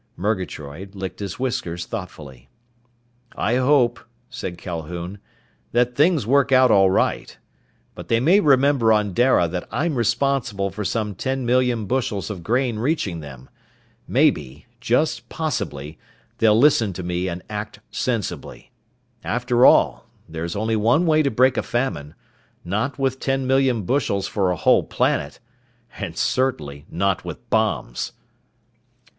Murgatroyd licked his whiskers thoughtfully. "I hope," said Calhoun, "that things work out right. But they may remember on Dara that I'm responsible for some ten million bushels of grain reaching them. Maybe, just possibly, they'll listen to me and act sensibly. After all, there's only one way to break a famine. Not with ten million bushels for a whole planet! And certainly not with bombs!"